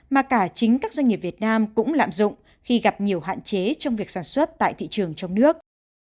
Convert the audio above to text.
mà cả chính các doanh nghiệp việt nam cũng lạm dụng khi gặp nhiều hạn chế trong việc sản xuất tại thị trường trong nước